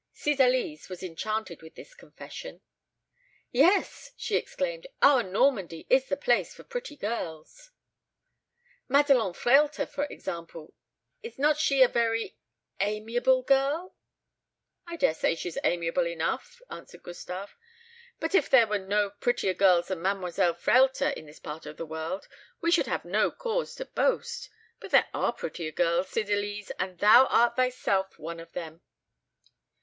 Cydalise was enchanted with this confession. "Yes," she exclaimed, "our Normandy is the place for pretty girls. Madelon Frehlter, for example, is not she a very amiable girl?" "I dare say she's amiable enough," answered Gustave; "but if there were no prettier girls than Mademoiselle Frehlter in this part of the world, we should have no cause to boast. But there are prettier girls, Cydalise, and thou art thyself one of them."